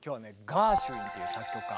ガーシュウィンっていう作曲家。